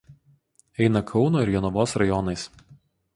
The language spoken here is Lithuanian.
Eina Kauno ir Jonavos rajonais.